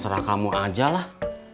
maserah kamu aja lah